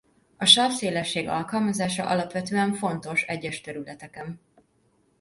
A sávszélesség alkalmazása alapvetően fontos egyes területeken.